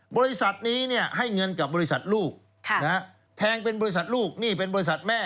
บริษัทนี้ให้เงินกับบริษัทลูกแทงเป็นบริษัทลูกนี่เป็นบริษัทแม่